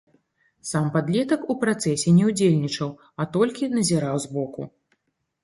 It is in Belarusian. Сам падлетак у працэсе не ўдзельнічаў, а толькі назіраў збоку.